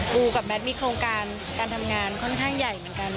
ูกับแมทมีโครงการการทำงานค่อนข้างใหญ่เหมือนกัน